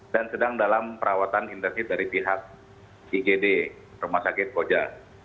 dan sedang dalam perawatan intensif dari pihak igd rumah sakit koja